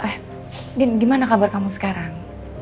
indin gimana kabar kamu sekarang